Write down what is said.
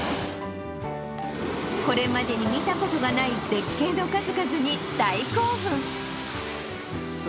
これまでに見たことがない絶景の数々に大興奮。